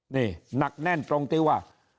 นี่หนักแน่นตรงที่ว่า